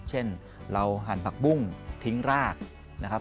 เช่นเราหั่นผักบุ้งทิ้งรากนะครับ